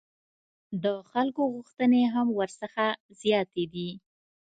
د خلکو غوښتنې هم ورڅخه زیاتې دي.